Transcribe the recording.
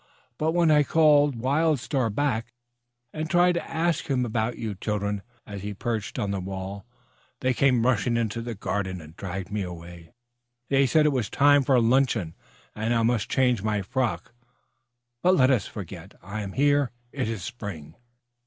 But when I called Wild Star back and tried to ask him about you, children, as he perched on the wall, they came rushing into the garden and dragged me away. They said it was time for luncheon, and I must change my frock. But let us forget. I am here! It is spring!"